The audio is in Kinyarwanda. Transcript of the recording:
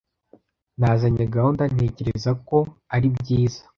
Nazanye gahunda. Ntekereza ko ari byiza.